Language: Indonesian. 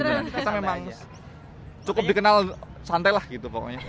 kita memang cukup dikenal santai lah gitu pokoknya